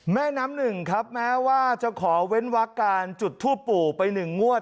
แม่น้ำหนึ่งครับแม้ว่าจะขอเว้นวักการจุดทูปปู่ไป๑งวด